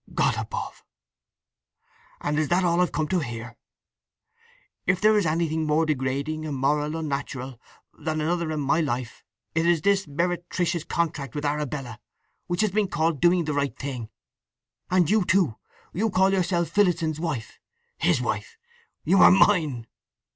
"God above—and is that all I've come to hear? If there is anything more degrading, immoral, unnatural, than another in my life, it is this meretricious contract with Arabella which has been called doing the right thing! And you too—you call yourself Phillotson's wife! His wife! You are mine."